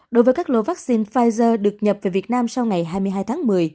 đối với các lô vaccine pfizer được nhập về việt nam sau ngày hai mươi hai tháng một mươi